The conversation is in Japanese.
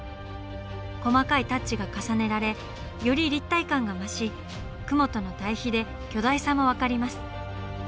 細かいタッチが重ねられより立体感が増し雲との対比で巨大さも分かります。